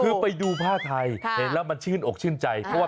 คือไปดูผ้าไทยเห็นแล้วมันชื่นอกชื่นใจ